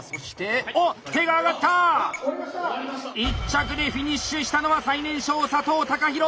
１着でフィニッシュしたのは最年少佐藤貴弘！